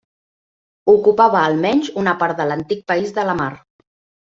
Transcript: Ocupava almenys una part de l'antic País de la Mar.